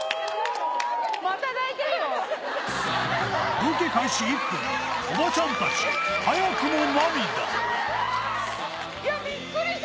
ロケ開始１分、おばちゃんたち早くも涙。